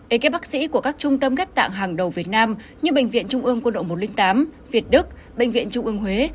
ek bác sĩ của các trung tâm ghép tạng hàng đầu việt nam như bệnh viện trung ương quân đội một trăm linh tám việt đức bệnh viện trung ương huế